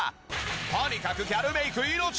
とにかくギャルメイク命！